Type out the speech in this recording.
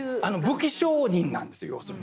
武器商人なんです要するに。